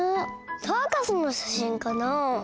サーカスのしゃしんかなあ？